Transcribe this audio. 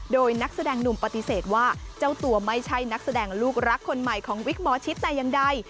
โดยนักแสดงหนุ่มปฏิเสธว่าเจ้าตัวไม่ใช่นักแสดงลูกรักคนใหม่ของวิกหมอชิดแต่อย่างใด